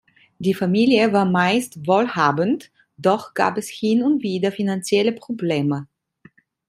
Die Familie war meist wohlhabend, doch gab es hin und wieder finanzielle Probleme.